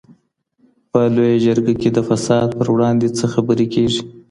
په لویه جرګه کي د فساد پر وړاندي څه خبري کېږي؟